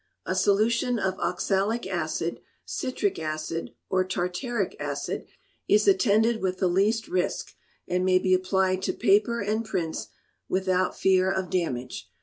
A solution of oxalic acid, citric acid, or tartaric acid, is attended with the least risk, and may be applied to paper and prints without fear of damage.